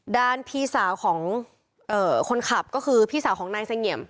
พี่สาวของคนขับก็คือพี่สาวของนายเสงี่ยม